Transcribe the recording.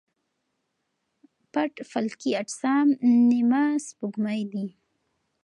پټ فلکي اجسام نیمه سپوږمۍ دي.